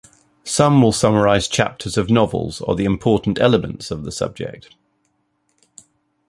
Some will summarize chapters of novels or the important elements of the subject.